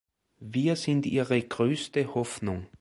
Wir sind ihre größte Hoffnung.